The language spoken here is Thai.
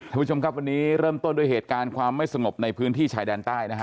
คุณผู้ชมครับวันนี้เริ่มต้นด้วยเหตุการณ์ความไม่สงบในพื้นที่ชายแดนใต้นะฮะ